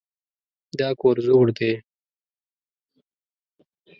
دا کور زوړ دی.